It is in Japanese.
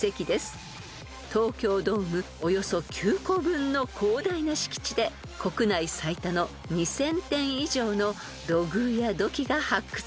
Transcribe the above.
［東京ドームおよそ９個分の広大な敷地で国内最多の２，０００点以上の土偶や土器が発掘されています］